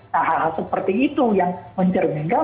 nah hal hal seperti itu yang mencerminkan